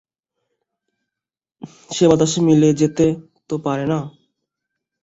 সে বাতাসে মিলিয়ে যেতে তো পারেনা।